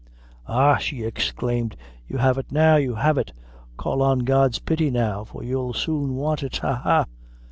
"Ha!" she exclaimed, "you have it now you have it! Call on God's pity now, for you'll soon want it. Ha! ha!"